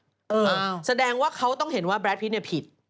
เออแสดงว่าเขาต้องเห็นว่าแรดพิษเนี่ยผิด